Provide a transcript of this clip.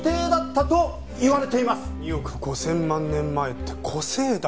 ２億５０００万年前って古生代。